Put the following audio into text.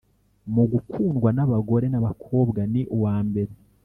mu gukundwa n’abagore n’abakobwa ni uwambere